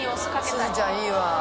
鈴ちゃんいいわ。